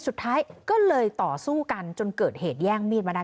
สุดท้ายก็เลยต่อสู้กันจนเกิดเหตุแย่งมีดมาได้